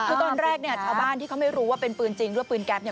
คือตอนแรกเนี่ยชาวบ้านที่เขาไม่รู้ว่าเป็นปืนจริงหรือว่าปืนแก๊ปเนี่ย